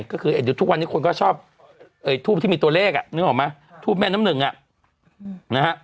ก็คือทุกวันนี้คนก็ชอบทูปที่มีตัวเลขอ่ะนึกออกไหมทูบแม่น้ำหนึ่งอ่ะนะฮะ